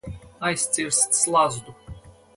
Aizcirst slazdu.